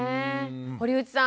堀内さん